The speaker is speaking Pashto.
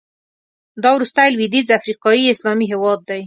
دا وروستی لوېدیځ افریقایي اسلامي هېواد دی.